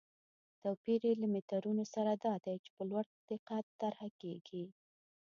توپیر یې له مترونو سره دا دی چې په لوړ دقت طرحه کېږي.